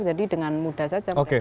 jadi dengan mudah saja mereka keluar